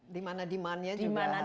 dimana demand nya juga harus dipenuhi